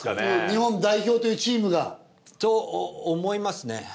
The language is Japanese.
日本代表というチームが。と思いますね。